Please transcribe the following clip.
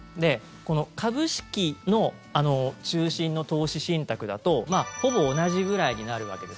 この株式の中心の投資信託だとほぼ同じぐらいになるわけです。